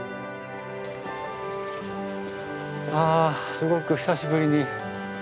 すごく久しぶりに。